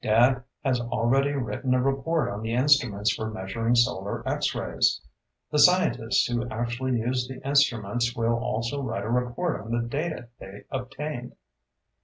"Dad has already written a report on the instruments for measuring solar X rays. The scientists who actually use the instruments will also write a report on the data they obtained."